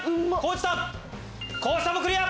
地さんもクリア！